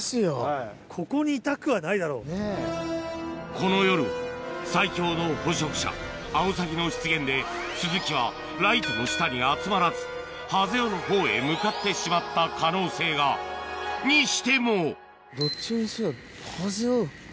この夜は最強の捕食者アオサギの出現でスズキはライトの下に集まらずハゼ雄の方へ向かってしまった可能性がにしてもどっちにせよ。